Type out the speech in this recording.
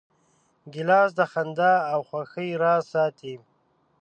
ګیلاس د خندا او خوښۍ راز ساتي.